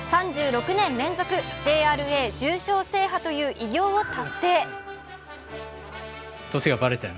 ３６年連続ＪＲＡ重賞制覇という偉業を達成。